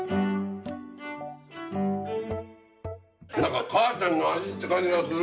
何か母ちゃんの味って感じがする。